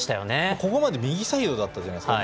ここまで右サイドだったじゃないですか。